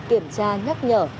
kiểm tra nhắc nhở